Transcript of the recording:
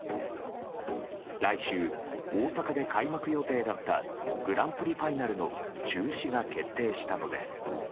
来週、大阪で開幕予定だったグランプリファイナルの中止が決定したのです。